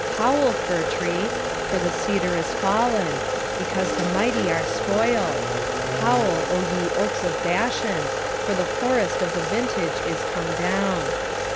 11:2 Howl, fir tree; for the cedar is fallen; because the mighty are spoiled: howl, O ye oaks of Bashan; for the forest of the vintage is come down.